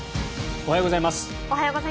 おはようございます。